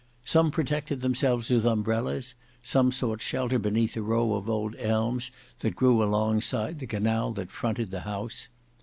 Some protected themselves with umbrellas; some sought shelter beneath a row of old elms that grew alongside the canal that fronted the house.